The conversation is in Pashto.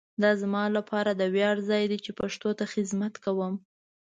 دا زما لپاره د ویاړ ځای دی چي پښتو ته خدمت کوؤم.